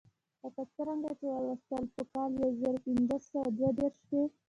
لکه څرنګه چې ولوستل په کال یو زر پنځه سوه دوه دېرش کې.